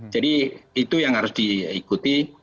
jadi itu yang harus diikuti